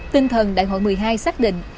tinh thần đại hội một mươi hai xác định